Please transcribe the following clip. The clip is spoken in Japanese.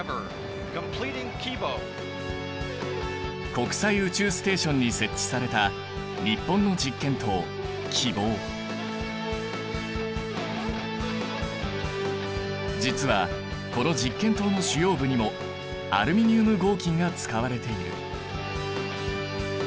国際宇宙ステーションに設置された実はこの実験棟の主要部にもアルミニウム合金が使われている。